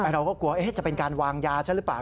เราก็กลัวจะเป็นการวางยาฉันหรือเปล่า